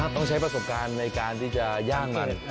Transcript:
ต้องใช้ประสบการณ์ในการที่จะย่างมัน